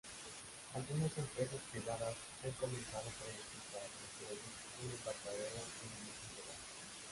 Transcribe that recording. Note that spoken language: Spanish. Algunas empresas privadas han comenzado proyectos para construir un embarcadero en dicho lugar.